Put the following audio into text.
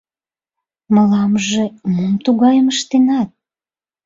— Мыламже... мом тугайым ыштенат?